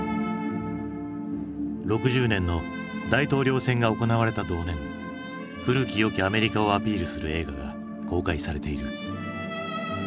６０年の大統領選が行われた同年古き良きアメリカをアピールする映画が公開されている。